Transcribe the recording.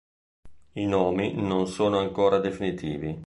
I nomi non sono ancora definitivi.